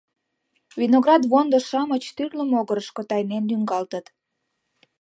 Виноград вондо-шамыч тӱрлӧ могырышко тайнен лӱҥгалтыт.